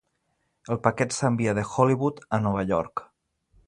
El paquet s'envia de Hollywood a Nova York.